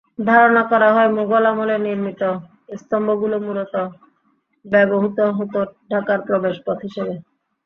ধারণা করা হয়, মোগল আমলে নির্মিত স্তম্ভগুলো মূলত ব্যবহূত হতো ঢাকার প্রবেশপথ হিসেবে।